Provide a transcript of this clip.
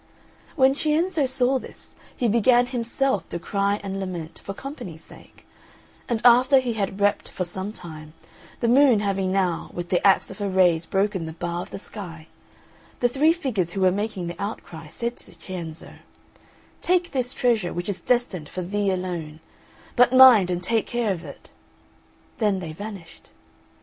When Cienzo saw this he began himself to cry and lament, for company's sake; and after he had wept for some time, the Moon having now, with the axe of her rays broken the bar of the Sky, the three figures who were making the outcry said to Cienzo, "Take this treasure, which is destined for thee alone, but mind and take care of it." Then they vanished.